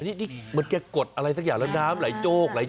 นี่เหมือนแกกดอะไรสักอย่างละนะหลายโจ๊กมาเลย